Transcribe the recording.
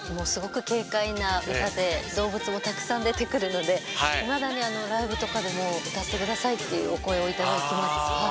すごく軽快な歌で動物もたくさん出てくるのでいまだにライブとかでも歌って下さいっていうお声を頂きます。